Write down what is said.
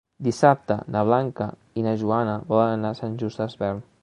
Dissabte na Blanca i na Joana volen anar a Sant Just Desvern.